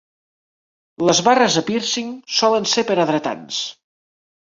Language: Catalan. Les barres de pírcing solen ser per a dretans.